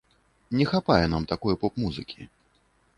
Не хапае нам такой поп-музыкі.